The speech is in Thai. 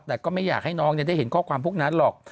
แต่ก็ไม่อยากให้น้องได้เห็นข้อความพวกนั้นหรอก